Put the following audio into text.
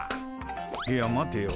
いや待てよ？